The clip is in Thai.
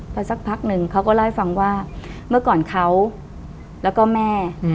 พอสักพักหนึ่งเขาก็เล่าให้ฟังว่าเมื่อก่อนเขาแล้วก็แม่